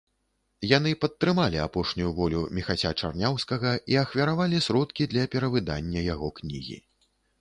Яны падтрымалі апошнюю волю Міхася Чарняўскага і ахвяравалі сродкі для перавыдання яго кнігі.